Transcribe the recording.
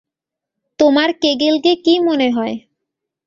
তোমার কেগেলকে কী মনে হয়?